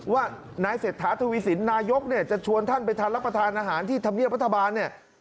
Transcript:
ว่านายเศรษฐาธุวิสินนายกจะชวนท่านไปรับประทานอาหารที่ธรรเมียพัฒนาบาลเนี่ยนะครับ